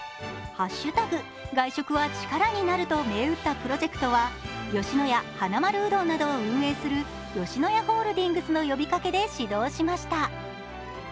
「＃外食はチカラになる」と銘打ったプロジェクトは、吉野家、はなまるうどんなどを運営する吉野家ホールディングスなどの呼びかけで始動しました。